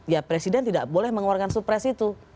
ya presiden tidak boleh mengeluarkan supres itu